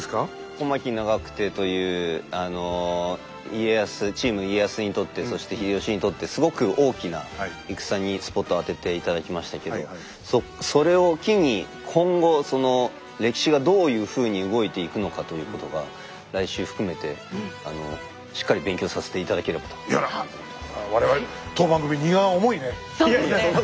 小牧・長久手というあの家康チーム家康にとってそして秀吉にとってすごく大きな戦にスポットを当てて頂きましたけどそれを機に今後その歴史がどういうふうに動いていくのかということが来週含めてしっかり勉強させて頂ければというふうに思ってます。